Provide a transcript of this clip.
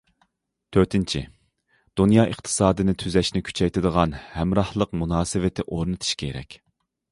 تۆتىنچى، دۇنيا ئىقتىسادىنى تۈزەشنى كۈچەيتىدىغان ھەمراھلىق مۇناسىۋىتى ئورنىتىش كېرەك.